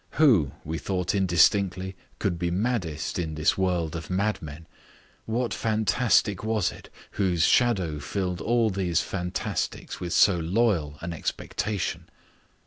Who, we thought indistinctly, could be maddest in this world of madmen: what fantastic was it whose shadow filled all these fantastics with so loyal an expectation?